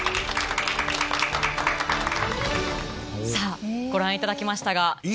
さぁご覧いただきましたが。